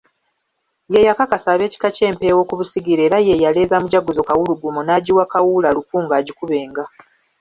Ye yakakasa ab'ekika ky'Empeewo ku Busigireera ye yaleeza Mujaguzo Kawulugumo n'agiwa Kawuula Lukungo agikubenga.